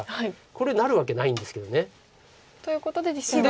これなるわけないんですけど。ということで実戦はトンで。